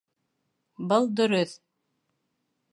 Был дөрөҫ.